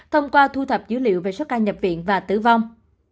thông qua thu thập dữ liệu về số ca nhập viện và tử vong